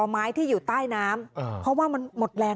ให้มาร่วมกัน